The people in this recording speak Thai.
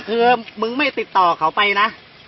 คือมึงไม่ติดต่อเขาไปนะ